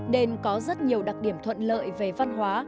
nên có rất nhiều đặc điểm thuận lợi về văn hóa